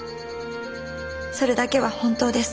それだけは本当です。